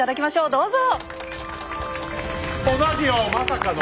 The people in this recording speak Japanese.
どうぞ。